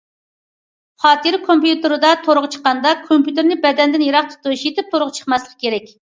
خاتىرە كومپيۇتېردا تورغا چىققاندا، كومپيۇتېرنى بەدەندىن يىراق تۇتۇش، يېتىپ تورغا چىقماسلىق كېرەك.